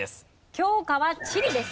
教科は地理です。